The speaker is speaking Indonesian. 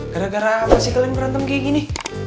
gara gara apa sih kalian berantem kaya gini